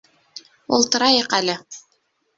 Ултырайыҡ әле!